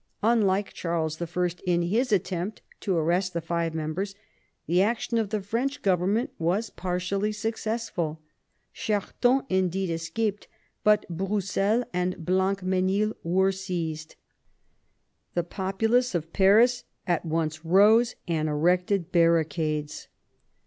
Unlike Charles I. in his attempt to arrest the five members, the action of the French government was partially successful. Charton indeed escaped, but Broussel and Blancmesnil were seized. The populace of Paris at once rose, and erected barricades.